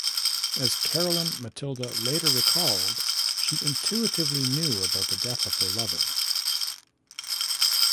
As Caroline Matilda later recalled, she intuitively knew about the death of her lover.